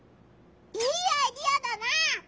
いいアイデアだな！